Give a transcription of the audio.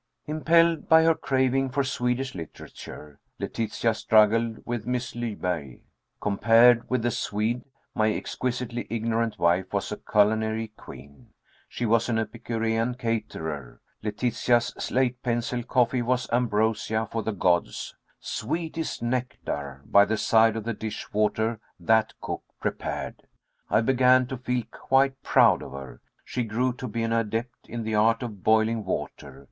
Impelled by her craving for Swedish literature, Letitia struggled with Miss Lyberg. Compared with the Swede, my exquisitely ignorant wife was a culinary queen. She was an epicurean caterer. Letitia's slate pencil coffee was ambrosia for the gods, sweetest nectar, by the side of the dishwater that cook prepared. I began to feel quite proud of her. She grew to be an adept in the art of boiling water.